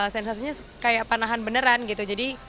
sensasinya kayak panahan beneran gitu